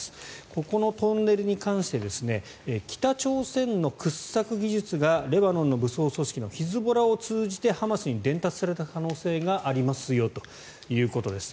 ここのトンネルに関して北朝鮮の掘削技術がレバノンの武装組織のヒズボラを通じてハマスに伝達された可能性がありますよということです。